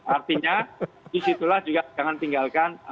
artinya disitulah juga jangan tinggalkan